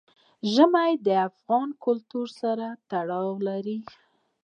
ژمی د افغان کلتور سره تړاو لري.